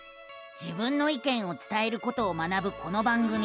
自分の意見を伝えることを学ぶこの番組。